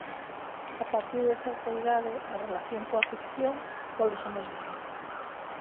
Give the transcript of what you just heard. A partir de certa idade a relación coa ficción vólvese máis difícil.